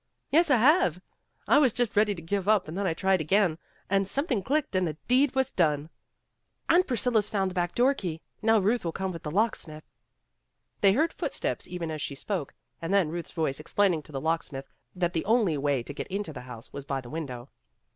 "Yes, I have. I was just ready to give up and then I tried again and something clicked and the deed was done." PEGGY GIVES A DINNER 199 1 'And Priseilla's found the back door key. Now Kuth will come with the locksmith. " They heard footsteps even as she spoke, and then Ruth's voice explaining to the locksmith that the only way to get into the house was by the window.